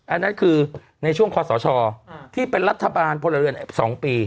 อันนั้นคือในช่วงขอร์ดสตที่เป็นรัฐบาลโปรดเนิน๒ปี